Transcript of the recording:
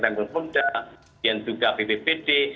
tanggung sumber dan juga bpp